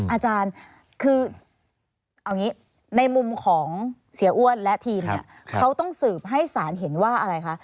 อาจารย์คือในมุมของเสียอ้วนและทีมเขาต้องสืบให้ศาลเห็นว่าอะไรคะ